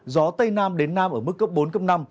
gió tây nam đến nam ở mức cấp bốn cấp năm